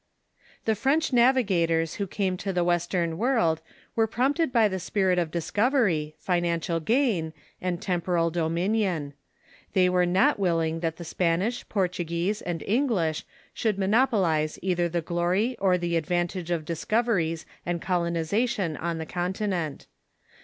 The French navigators who came to the western world were prompted by the spirit of discovery, financial gain, and temporal dominion. They were not willing that the NaWgatSrs '^P''^"ish, Portuguese, and English should monopolize cither the glory or the advantage of discoveries and colonization on the Continent.